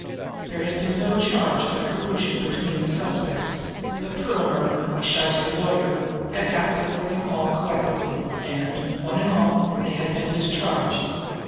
There had been no charge of collusion between the suspects; but Perlmer, a shyster lawyer, had acted for them all collectively, and, one and all, they had been discharged.